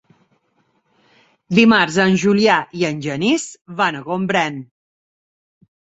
Dimarts en Julià i en Genís van a Gombrèn.